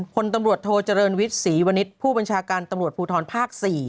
พลตำรวจโทเจริญวิทย์ศรีวณิชย์ผู้บัญชาการตำรวจภูทรภาค๔